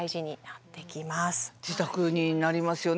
自宅になりますよね